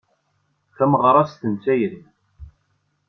Tameɣrast n tayri.